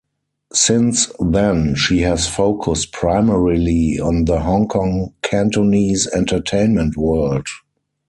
Since then, she has focused primarily on the Hong Kong Cantonese entertainment world.